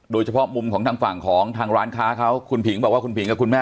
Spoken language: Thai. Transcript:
โดยเฉพาะมุมของทางฝั่งของทางร้านค้าเขาคุณผิงบอกว่าคุณผิงกับคุณแม่